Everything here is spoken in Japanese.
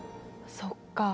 そっか